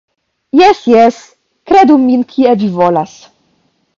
Jes, jes, kredu min kiel vi volas.